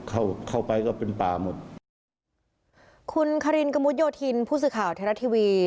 เข้าไปก็เป็นป่าหมดคุณคารินกระมุดโยธินผู้สื่อข่าวไทยรัฐทีวี